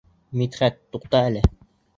Мидхәт, туҡта әле.